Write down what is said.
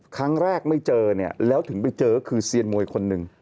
ครั้งแรกไม่เจอเนี่ยแล้วถึงไปเจอก็คือเซียนมวยคนหนึ่ง